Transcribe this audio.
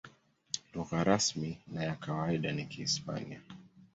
Lugha rasmi na ya kawaida ni Kihispania.